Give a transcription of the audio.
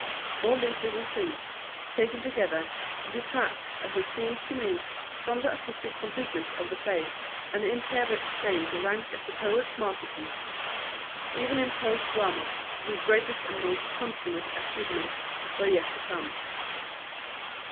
All these little things, taken together, detract, as it seems to me, from the artistic completeness of the play, and impair its claim to rank as the poet's masterpiece. Even in prose drama, his greatest and most consummate achievements were yet to come.